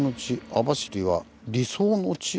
網走は“理想の地”⁉」。